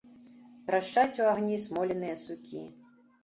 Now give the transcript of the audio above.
Трашчаць у агні смоленыя сукі.